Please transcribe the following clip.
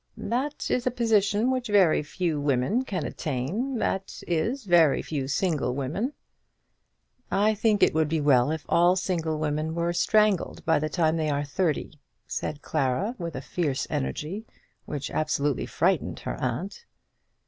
"That is a position which very few women can attain, that is, very few single women." "I think it would be well if all single women were strangled by the time they are thirty," said Clara with a fierce energy which absolutely frightened her aunt.